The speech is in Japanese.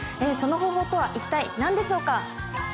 その方法とは一体何でしょうか？